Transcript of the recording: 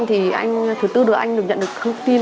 thứ tư được anh nhận được thông tin